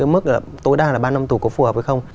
mức tối đa là ba năm tù có phù hợp hay không